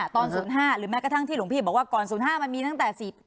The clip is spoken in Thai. ๐๕หรือแม้กระทั่งที่หลวงพี่บอกว่าก่อน๐๕มันมีตั้งแต่๑๐